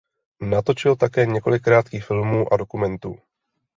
Natočil také několik krátkých filmů a dokumentů.